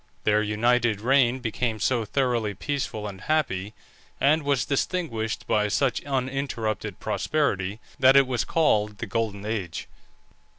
Their united reign became so thoroughly peaceful and happy, and was distinguished by such uninterrupted prosperity, that it was called the Golden Age.